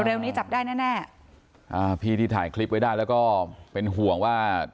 เร็วนี้จับได้แน่แน่อ่าพี่ที่ถ่ายคลิปไว้ได้แล้วก็เป็นห่วงว่า